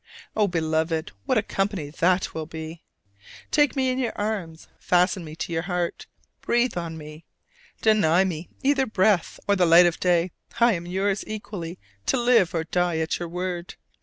Oh, Beloved, what a company that will be! Take me in your arms, fasten me to your heart, breathe on me. Deny me either breath or the light of day: I am yours equally, to live or die at your word.